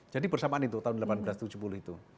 jadi bersamaan itu tahun seribu delapan ratus tujuh puluh itu